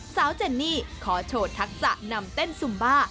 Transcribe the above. เจนนี่ขอโชว์ทักษะนำเต้นซุมบ้า